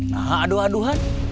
nah aduh aduhan